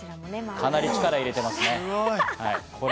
かなり力を入れてますね。